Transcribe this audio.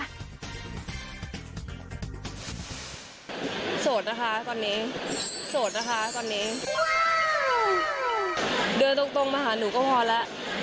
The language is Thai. โสดนะคะตอนนี้